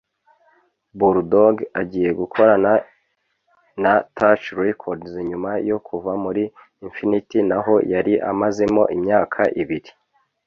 Bull Dogg agiye gukorana na Touch Records nyuma yo kuva muri Infinity naho yari amazemo imyaka ibiri